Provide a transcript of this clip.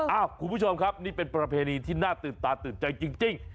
คุณผู้ชมครับนี่เป็นประเพณีที่น่าตื่นตาตื่นใจจริง